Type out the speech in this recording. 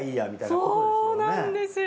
そうなんですよ。